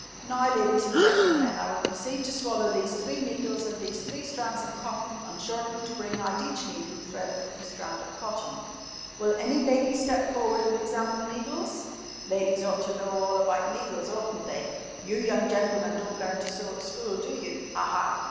"Now, ladies and gentlemen, I will proceed to swallow these three needles and these three strands of cotton and shortly to bring out each needle threaded with a strand of cotton. Will any lady step forward and examine the needles? Ladies ought to know all about needles, oughtn't they? You young gentlemen don't learn to sew at school, do you? Ha! Ha!